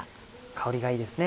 香りがいいですね